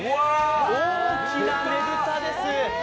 大きなねぶたです。